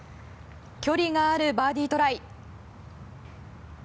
距離があるバーディートライ。